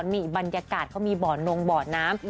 มีบรรยากาศเขามีบ่อนงบ่อน้ำ